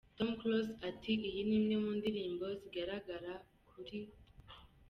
Tom Close ati, Iyi ni imwe mu ndirimbo zizagaragara kuri.